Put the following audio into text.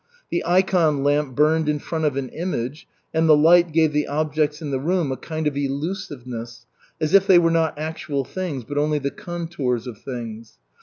The ikon lamp burned in front of an image, and the light gave the objects in the room a kind of elusiveness, as if they were not actual things, but only the contours of things.